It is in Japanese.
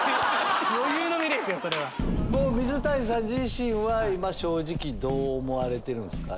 水谷さん自身は今正直どう思われてるんですか？